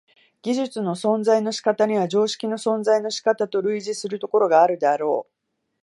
技術の存在の仕方には常識の存在の仕方と類似するところがあるであろう。